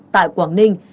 tại quảng ninh